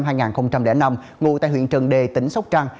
mai chí cường sinh năm hai nghìn năm ngụ tại huyện trần đề tỉnh sóc trăng